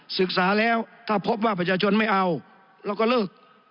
ศึกษาแล้วถ้าพบว่าประชาชนไม่เอาเราก็เลิก